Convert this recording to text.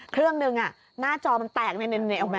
เครื่องหนึ่งน่าจอมันแตกนี่รู้ไหม